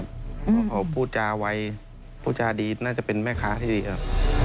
เพราะเขาพูดจาไวพูดจาดีน่าจะเป็นแม่ค้าที่ดีครับ